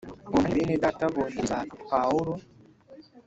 Uwo mwanya bene Data bohereza Pawulo